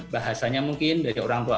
bahasanya mungkin dari orang tua